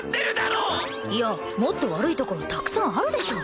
いやもっと悪いところたくさんあるでしょ。